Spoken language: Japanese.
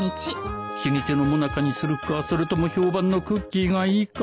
老舗のもなかにするかそれとも評判のクッキーがいいか